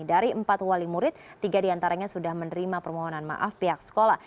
dari empat wali murid tiga diantaranya sudah menerima permohonan maaf pihak sekolah